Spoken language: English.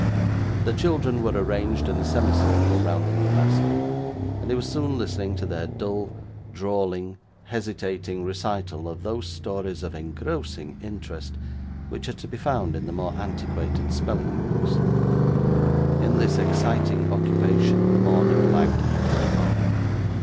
The children were arranged in a semicircle round the new master, and he was soon listening to their dull, drawling, hesitating recital of those stories of engrossing interest which are to be found in the more antiquated spelling books. In this exciting occupation, the morning lagged heavily on.